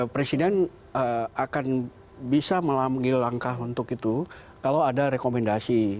presiden akan bisa mengambil langkah untuk itu kalau ada rekomendasi